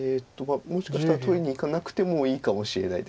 もしかしたら取りにいかなくてもいいかもしれないです。